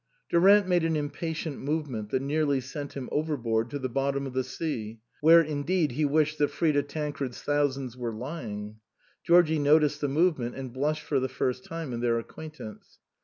Durant made an impatient movement that nearly sent him overboard to the bottom of the sea, where, indeed, he wished that Frida Tan cred's thousands were lying. Georgie noticed the movement, and blushed for the first time in their acquaintance.